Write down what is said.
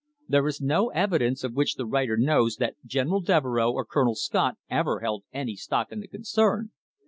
There is no evidence of which the writer knows that General Devereux or Colonel Scott ever held any stock in the concern.